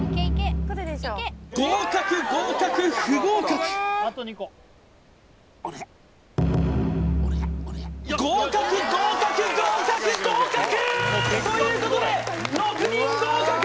合格合格不合格合格合格合格合格！ということで６人合格！